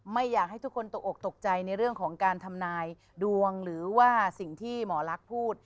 ไม่อยากให้ทุกคนตกอกตกใจในเรื่องของการทำนายดวงหรือว่าสิ่งที่หมอลักษณ์พูด